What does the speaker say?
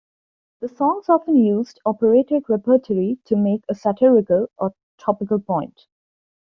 The songs often used operatic repertory "to make a satirical or topical point".